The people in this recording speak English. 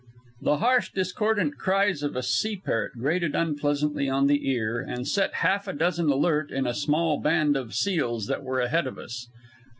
The harsh, discordant cries of a sea parrot grated unpleasantly on the ear, and set half a dozen alert in a small band of seals that were ahead of us.